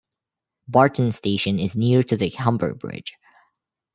Barton station is near to the Humber Bridge.